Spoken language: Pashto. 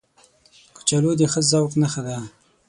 کچالو د ښه ذوق نښه ده